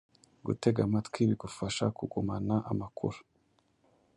gutega amatwi bigufaha kugumana amakuru,